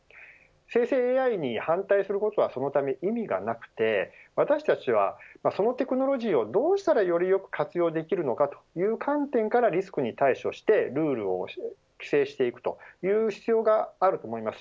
生成ＡＩに反対することはそのため、意味がなくて私たちはそのテクノロジーをどうしたらよりよく活用できるのかという観点からリスクに対処してルールを規制していくという必要があると思います。